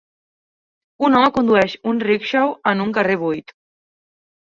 Un home condueix un "rickshaw" en un carrer buit.